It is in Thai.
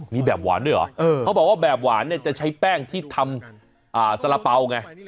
มีแบบหวานด้วยเหรอเขาบอกว่าแบบหวานเนี่ยจะใช้แป้งที่ทำสาระเป๋าไง